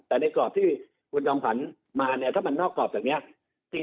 แต่ในกรอบที่คุณจอมขวัญมาเนี่ยถ้ามันนอกกรอบจากนี้